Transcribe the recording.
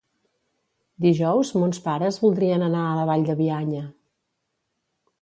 Dijous mons pares voldrien anar a la Vall de Bianya.